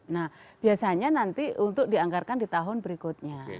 nah biasanya nanti untuk dianggarkan di tahun berikutnya